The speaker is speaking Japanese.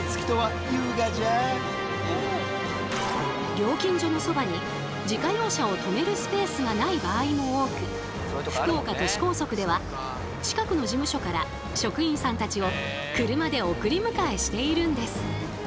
料金所のそばに自家用車を止めるスペースがない場合も多く福岡都市高速では近くの事務所から職員さんたちを車で送り迎えしているんです。